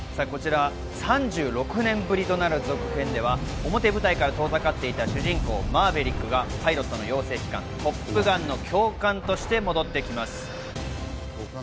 こちら、３６年ぶりとなる続編では表舞台から遠ざかっていた主人公・マーヴェリックがパイロットの養成機関トップガンの教官として戻ってきます。